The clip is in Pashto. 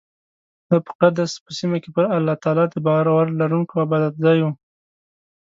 دا په قدس په سیمه کې پر الله تعالی د باور لرونکو عبادتځای و.